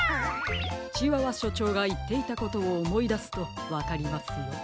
チワワしょちょうがいっていたことをおもいだすとわかりますよ。